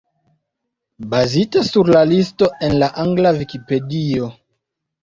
Bazita sur listo en la angla Vikipedio.